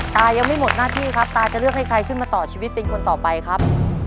ตายังไม่หมดหน้าที่ครับตาจะเลือกให้ใครขึ้นมาต่อชีวิตเป็นคนต่อไปครับ